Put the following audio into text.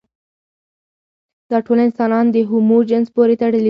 دا ټول انسانان د هومو جنس پورې تړلي وو.